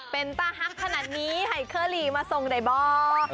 เป็นตาฮักขนาดนี้ให้เคอรี่มาส่งได้บ่